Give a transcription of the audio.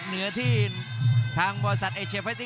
เหนือที่บริษัทเอเชียสเฟตติ้งมันจ่ายให้กับนักมวย